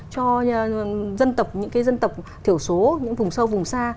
cho những dân tộc thiểu số những vùng sâu vùng xa